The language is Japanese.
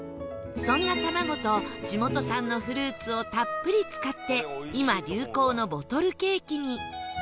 そんな卵と地元産のフルーツをたっぷり使って今流行のボトルケーキに